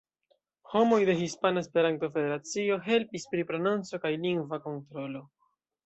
Homoj de Hispana Esperanto-Federacio helpis pri prononco kaj lingva kontrolo.